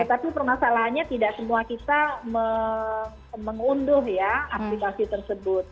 dan salahnya tidak semua kita mengunduh ya aplikasi tersebut